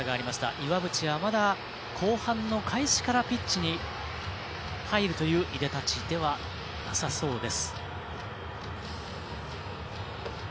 岩渕はまだ後半の開始からピッチに入るという岩渕ではなさそうです。